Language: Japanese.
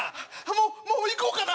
もうもういこうかな？